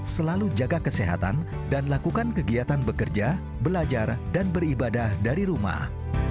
selalu jaga kesehatan dan lakukan kegiatan bekerja belajar dan beribadah dari rumah